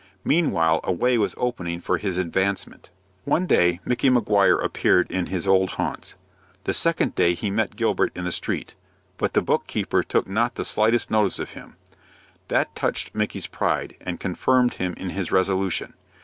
Meanwhile a way was opening for his advancement. One day Micky Maguire appeared in his old haunts. The second day he met Gilbert in the street; but the book keeper took not the slightest notice of him. That touched Micky's pride, and confirmed him in his resolution.